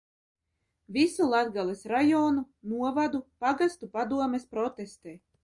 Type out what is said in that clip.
Visu Latgales rajonu, novadu, pagastu padomes protestē.